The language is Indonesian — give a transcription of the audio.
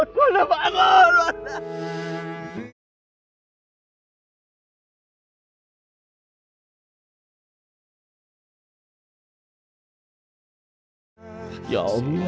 ampunilah semua dosa yang hamba lah